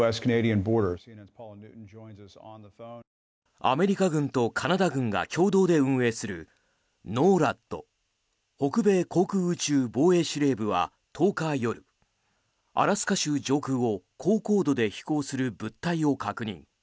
アメリカ軍とカナダ軍が共同で運営するＮＯＲＡＤ・北米航空宇宙防衛司令部は１０日夜アラスカ州上空を高高度で飛行する物体を確認。